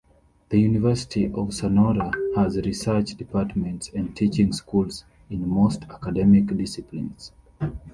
The University of Sonora has research departments and teaching schools in most academic disciplines.